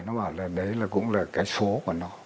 nó bảo là đấy là cũng là cái số của nó